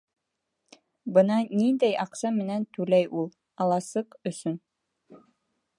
Бына ниндәй аҡса менән түләй ул «аласыҡ» өсөн.